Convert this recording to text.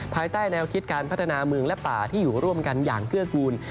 ภายใต้แนวคิดการพัฒนาเมืองและป่าที่อยู่ร่วมกันอย่างเกื้อกูล